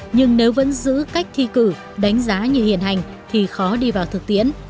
nhưng nếu vẫn giữ cách thi cử đánh giá như hiện hành thì khó đi vào thực tiễn